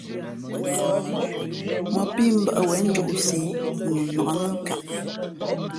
Mᾱ pí mbᾱʼ wěn njōʼsī ī yi nu nǎk nά nkaʼ.